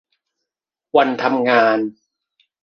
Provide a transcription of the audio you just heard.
วันทำงาน